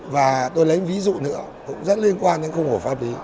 và tôi lấy một ví dụ nữa cũng rất liên quan đến khung hồ pháp lý